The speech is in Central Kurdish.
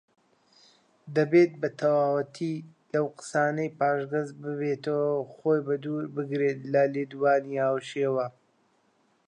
دەبێت بەتەواوەتی لەو قسانەی پاشگەزبێتەوە و خۆی بە دوور بگرێت لە لێدوانی هاوشێوە